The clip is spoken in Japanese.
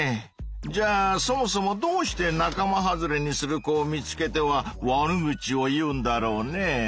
じゃあそもそもどうして仲間外れにする子を見つけては悪口を言うんだろうね？